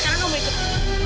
sekarang kamu ikutin aku